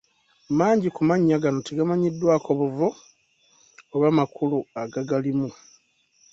Mangi ku mannya gano tegamanyiddwako buvo oba makulu agagalimu.